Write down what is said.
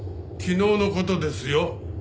昨日の事ですよ？